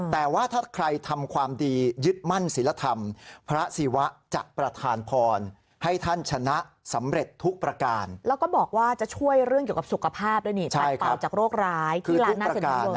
เกี่ยวกับสุขภาพด้วยป่าวจากโรคร้ายที่ลานลานเซ็นทรัลเวอร์